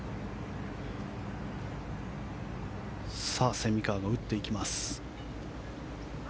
蝉川が打っていきます。